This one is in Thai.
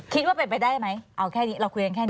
คิดว่าเป็นไปได้ไหมเอาแค่นี้เราคุยกันแค่นี้